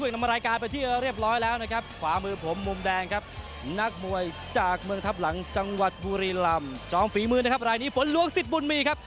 นักมวยจากเมืองทัพหลังจังหวัดบุรีลำจองฝีมือนะครับรายนี้ฝนล้วงสิทธิ์บุญมีครับ